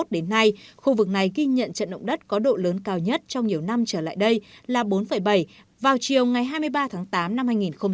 từ năm hai nghìn hai mươi một đến nay khu vực này ghi nhận trận động đất có độ lớn cao nhất trong nhiều năm trở lại đây là bốn bảy vào chiều ngày hai mươi ba tháng tám năm hai nghìn hai mươi hai